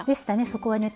そこはね